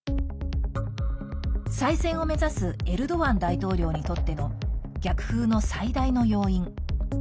再選を目指すエルドアン大統領にとっての逆風の最大の要因